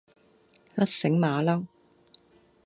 甩繩馬騮